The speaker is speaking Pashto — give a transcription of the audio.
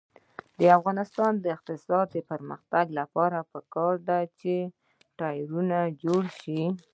د افغانستان د اقتصادي پرمختګ لپاره پکار ده چې ټایرونه جوړ شي.